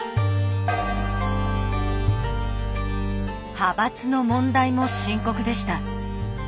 派閥の問題も深刻でした。